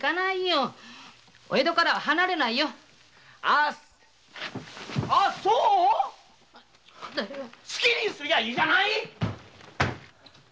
ああそう好きにすりゃいいじゃない。